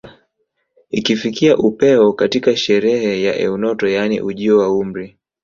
Ikifikia upeo katika sherehe ya eunoto yaani ujio wa umri